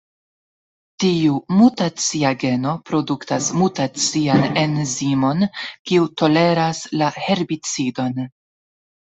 Tiu mutacia geno produktas mutacian enzimon, kiu toleras la herbicidon.